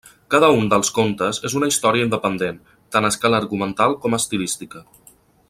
Cada un dels contes és una història independent, tant a escala argumental com estilística.